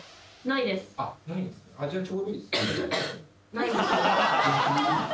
ないです。